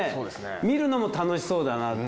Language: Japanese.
見るのも楽しそうだなと。